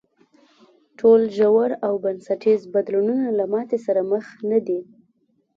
ټول ژور او بنسټیز بدلونونه له ماتې سره مخ نه دي.